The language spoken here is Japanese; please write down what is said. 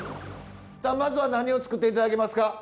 さあまずは何を作って頂けますか？